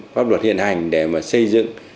pháp luật hiện hành để mà xây dựng